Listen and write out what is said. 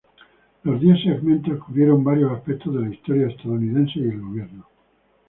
Los diez segmentos cubrieron varios aspectos de la historia estadounidense y el gobierno.